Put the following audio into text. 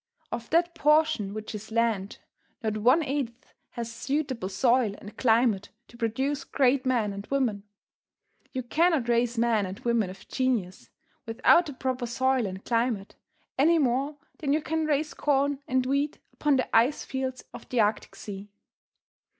Of that portion which is land not one eighth has suitable soil and climate to produce great men and women. You cannot raise men and women of genius, without the proper soil and climate, any more than you can raise corn and wheat upon the ice fields of the Arctic sea.